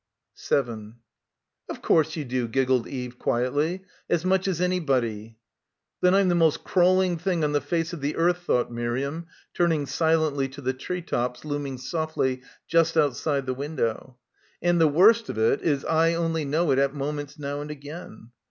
7 "Of course you do," giggled Eve quietly, "as much as anybody." "Then I'm the most crawling thing on the face of the earth," thought Miriam, turning silently to the tree tops looming softly just out side the window; "and the worst of it is I only know it at moments now and again."